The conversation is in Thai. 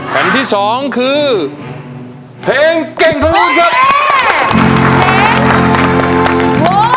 แผ่นที่สองคือเพลงเก่งของคุณครับ